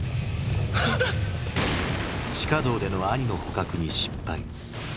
地下道でのアニの捕獲に失敗。